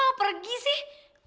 mama mau pergi sih